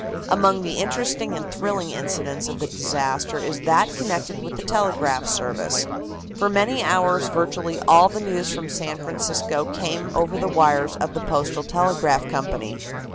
Among the interesting and thrilling incidents of the disaster is that connected with the telegraph service. For many hours virtually all the news from San Francisco came over the wires of the Postal Telegraph Company.